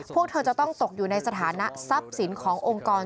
พวกเธอจะต้องตกอยู่ในสถานะทรัพย์สินขององค์กร